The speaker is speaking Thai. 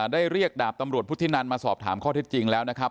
เรียกดาบตำรวจพุทธินันมาสอบถามข้อเท็จจริงแล้วนะครับ